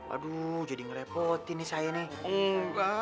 aduh jadi ngerepotin nih saya nih